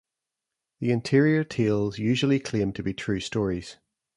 The interior tales usually claimed to be true stories.